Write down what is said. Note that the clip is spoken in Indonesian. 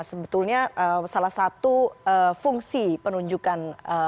sebetulnya salah satu fungsi penunjukan